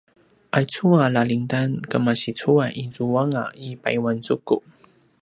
aicu a lalingdan kemasicuay izuanga i payuanzuku